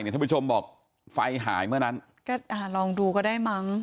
ท่านผู้ชมบอกไฟหายเมื่อนั้นก็อ่าลองดูก็ได้มั้ง